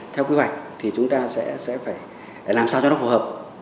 theo quy hoạch thì chúng ta sẽ phải làm sao cho nó phù hợp